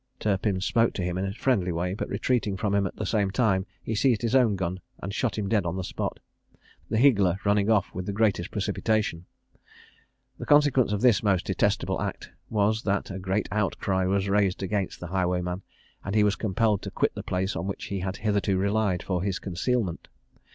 Turpin spoke to him in a friendly way, but retreating from him at the same time, he seized his own gun, and shot him dead on the spot, the higgler running off with the greatest precipitation. The consequence of this most detestable act was, that a great outcry was raised against the highwayman, and he was compelled to quit the place on which he had hitherto relied for his concealment.